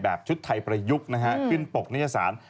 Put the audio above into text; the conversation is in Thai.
แบบชุดไทยประยุกต์ขึ้นปกนิจฐาน